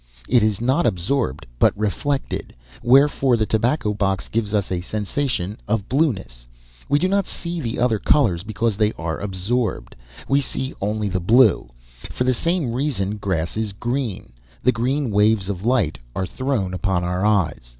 It is not absorbed, but reflected. Wherefore the tobacco box gives us a sensation of blueness. We do not see the other colors because they are absorbed. We see only the blue. For the same reason grass is GREEN. The green waves of white light are thrown upon our eyes."